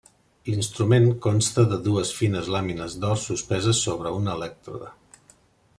L'instrument consta de dues fines làmines d'or suspeses sobre un elèctrode.